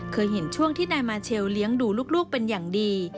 เคยเห็นช่วงที่นายมาเชลเลี้ยงดูลูกเป็นอย่างดี